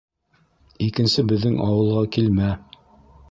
Икенсе беҙҙең ауылға килмә!